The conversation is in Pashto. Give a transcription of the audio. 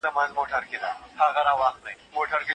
پيغمبر د ذمي وینه د مسلمان د وینې په څېر وګڼله.